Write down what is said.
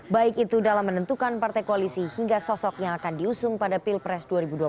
baik itu dalam menentukan partai koalisi hingga sosok yang akan diusung pada pilpres dua ribu dua puluh empat